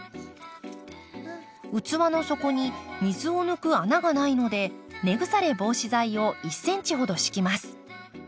器の底に水を抜く穴がないので根腐れ防止剤を１ｃｍほど敷きます。